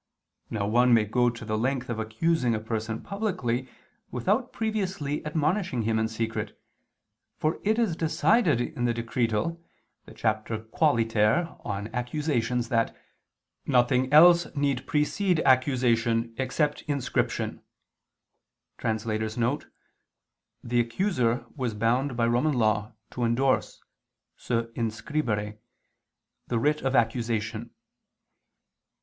Now one may go to the length of accusing a person publicly, without previously admonishing him in secret: for it is decided in the Decretal (Cap. Qualiter, xiv, De Accusationibus) that "nothing else need precede accusation except inscription." [*The accuser was bound by Roman Law to endorse (se inscribere) the writ of accusation.